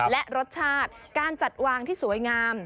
และรสชาติการจัดวางที่สวยงาม